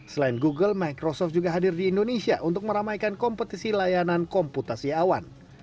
selain google microsoft juga hadir di indonesia untuk meramaikan kompetisi layanan komputasi awan